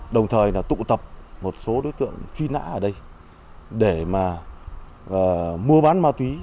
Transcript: đồng thời là tụ tập một số đối tượng truy nã ở đây để mà mua bán ma túy